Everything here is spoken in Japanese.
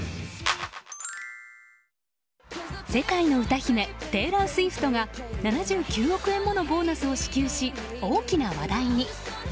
世界の歌姫テイラー・スウィフトが７９億円ものボーナスを支給し大きな話題に。